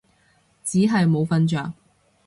只係冇瞓着